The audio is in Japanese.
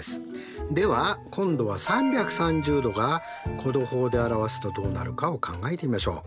では今度は３３０°が弧度法で表すとどうなるかを考えてみましょう。